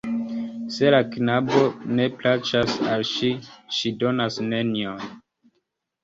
Se la knabo ne plaĉas al ŝi, ŝi donas nenion.